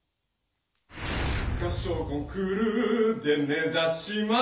「合唱コンクールで目ざします」